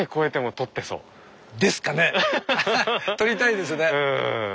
撮りたいですね。